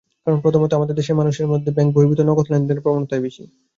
কারণ, প্রথমত, আমাদের দেশের মানুষের মধ্যে ব্যাংক-বহির্ভূত নগদ লেনদেনের প্রবণতাই বেশি।